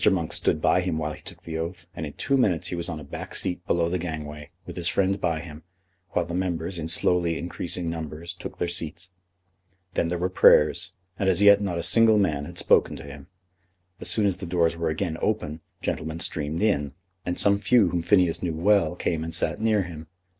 Monk stood by him while he took the oath, and in two minutes he was on a back seat below the gangway, with his friend by him, while the members, in slowly increasing numbers, took their seats. Then there were prayers, and as yet not a single man had spoken to him. As soon as the doors were again open gentlemen streamed in, and some few whom Phineas knew well came and sat near him.